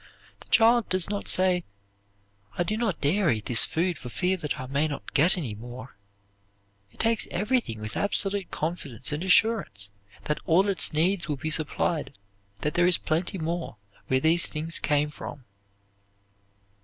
The child does not say, "I do not dare eat this food for fear that I may not get any more." It takes everything with absolute confidence and assurance that all its needs will be supplied, that there is plenty more where these things came from.